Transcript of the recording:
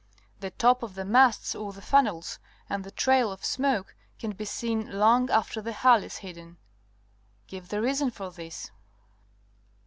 The top of the masts or the funnels and the trail of smoke can be seen long after the hull is hidden. Give the reason for this.